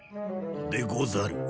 でござる。